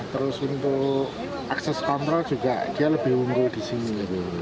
terus untuk akses kontrol juga dia lebih unggul di sini